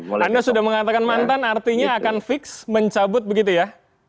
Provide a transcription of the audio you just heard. anda sudah mengatakan mantan artinya akan fix mencabut begitu ya